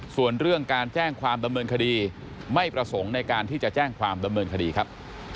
ส่วนเรื่องการแจ้งความดำเนินคดีไม่ประสงค์ในการที่จะแจ้งความดำเนินคดีครับ